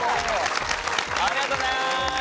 ありがとうございます。